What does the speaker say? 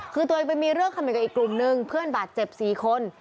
คือตัวเองไปมีเรื่องคำเห็นกับอีกกลุ่มนึงเพื่อนบาดเจ็บ๔คน